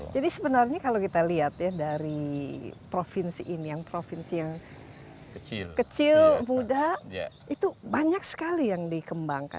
jadi sebenarnya kalau kita lihat ya dari provinsi ini yang provinsi yang kecil muda itu banyak sekali yang dikembangkan